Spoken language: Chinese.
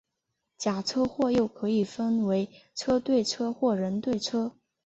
假车祸又可以分为车对车或人对车。